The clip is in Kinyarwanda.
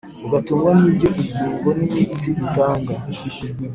ugatungwa n’ibyo ingingo n’imitsi bitanga